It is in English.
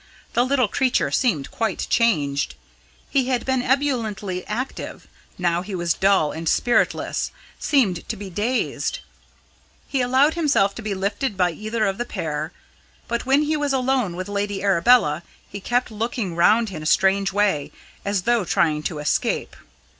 The little creature seemed quite changed. He had been ebulliently active; now he was dull and spiritless seemed to be dazed. He allowed himself to be lifted by either of the pair; but when he was alone with Lady Arabella he kept looking round him in a strange way, as though trying to escape.